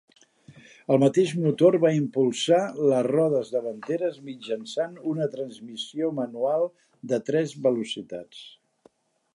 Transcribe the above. El mateix motor va impulsar les rodes davanteres mitjançant una transmissió manual de tres velocitats.